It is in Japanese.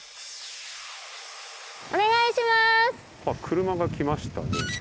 車が来ましたね。